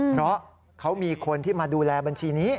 เพราะเขามีคนที่มาดูแลบัญชีนี้